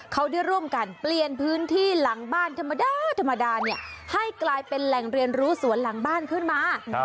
เขาได้ร่วมกันเปลี่ยนพื้นที่หลังบ้านธรรมดาธรรมดาให้กลายเป็นแหล่งเรียนรู้สวนหลังบ้านขึ้นมา